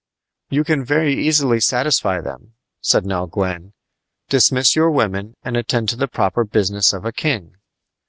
"You can very easily satisfy them," said Nell Gwyn. "Dismiss your women and attend to the proper business of a king."